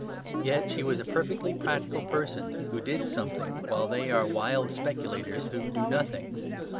Yet she was a perfectly practical person who did something, while they are wild speculators who do nothing.